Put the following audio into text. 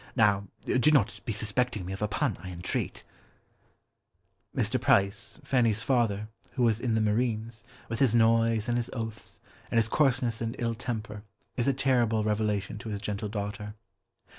Now, do not be suspecting me of a pun, I entreat.'" Mr. Price, Fanny's father, who is in the Marines, with his noise, and his oaths, and his coarseness and ill temper, is a terrible revelation to his gentle daughter.